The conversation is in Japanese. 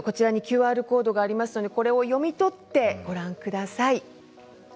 ＱＲコードがありますのでこれを読み取ってご覧ください。